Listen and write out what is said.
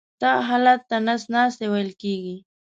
دغه حالت ته نس ناستی ویل کېږي.